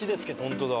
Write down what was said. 本当だ。